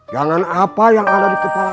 jangan apa yang ada di kepala